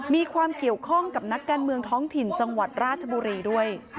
มีความเกี่ยวข้องกับนักการเมืองท้องถิ่นจังหวัดราชบุรีด้วย